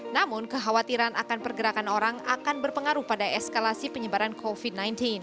namun kekhawatiran akan pergerakan orang akan berpengaruh pada eskalasi penyebaran covid sembilan belas